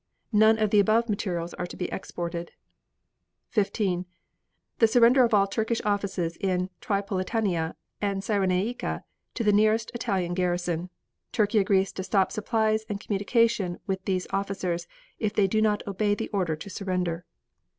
None of the above materials are to be exported. 15. The surrender of all Turkish offices in Tripolitania and Cyrenaica to the nearest Italian garrison. Turkey agrees to stop supplies and communication with these officers if they do not obey the order to surrender.